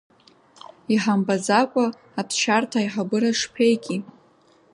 Иҳамбаӡакәа, аԥсшьарҭа аиҳабыра шԥеики!